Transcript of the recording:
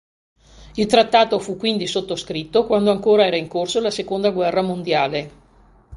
Il trattato fu quindi sottoscritto quando ancora era in corso la seconda guerra mondiale.